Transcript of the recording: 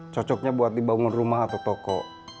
cocoknya buat dibangun rumah atau toko